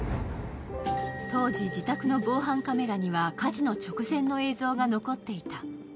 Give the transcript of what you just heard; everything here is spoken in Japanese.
当時、自宅の防犯カメラには火事の直前の映像が残っていた。